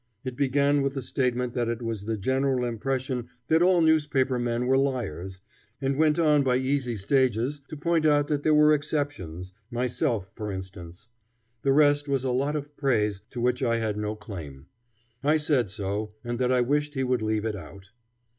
It began with the statement that it was the general impression that all newspapermen were liars, and went on by easy stages to point out that there were exceptions, myself for instance. The rest was a lot of praise to which I had no claim. I said so, and that I wished he would leave it out.